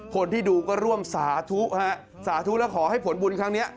คนที่ดูก็ร่วมสาธุฮะสาธุแล้วขอให้ผลบุญครั้งนี้